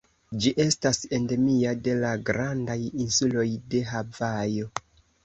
Ĝi estas endemia de la grandaj insuloj de Havajo.